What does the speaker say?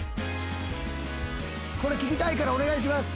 これ聴きたいからお願いします。